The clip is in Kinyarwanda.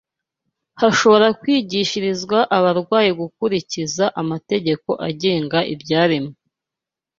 hashobora kwigishirizwa abarwayi gukurikiza amategeko agenga ibyaremwe